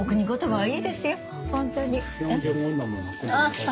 はい。